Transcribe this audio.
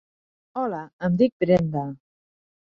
Hola, em dic Brenda.